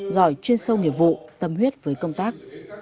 giỏi chuyên sâu nghiệp vụ tâm huyết với công tác